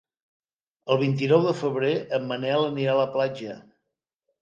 El vint-i-nou de febrer en Manel anirà a la platja.